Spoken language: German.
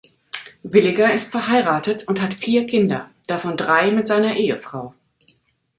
Villiger ist verheiratet und hat vier Kinder, davon drei mit seiner Ehefrau.